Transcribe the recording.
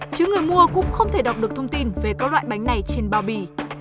chứ người mua cũng không thể đọc được thông tin về các loại bánh này trên bao bì